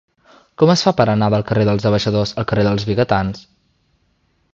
Com es fa per anar del carrer dels Abaixadors al carrer dels Vigatans?